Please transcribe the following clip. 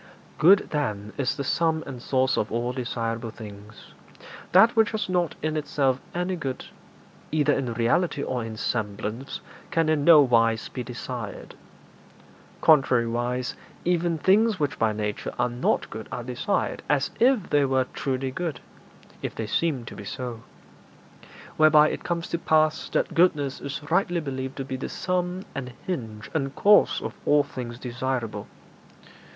Good, then, is the sum and source of all desirable things. That which has not in itself any good, either in reality or in semblance, can in no wise be desired. Contrariwise, even things which by nature are not good are desired as if they were truly good, if they seem to be so. Whereby it comes to pass that goodness is rightly believed to be the sum and hinge and cause of all things desirable.